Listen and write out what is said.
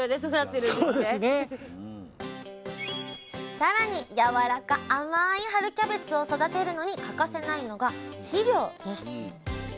さらにやわらか甘い春キャベツを育てるのに欠かせないのが肥料です。